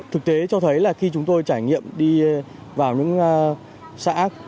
thực tế cho thấy là khi chúng tôi trải nghiệm đi vào những xã